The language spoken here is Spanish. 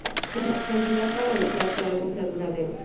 Se emplea para desear que algo sea duradero.